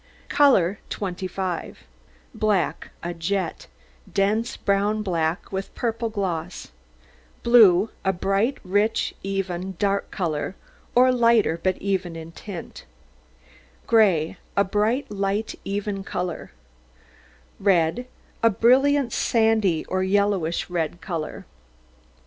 COLOUR 25 Black, a jet, dense, brown black, with purple gloss; blue, a bright, rich, even, dark colour, or lighter, but even in tint; gray, a bright, light, even colour; red, a brilliant sandy or yellowish red colour.